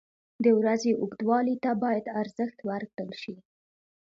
• د ورځې اوږدوالي ته باید ارزښت ورکړل شي.